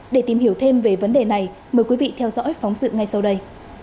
để tìm hiểu thêm về vấn đề này mời quý vị theo dõi phóng sự ngay sau đây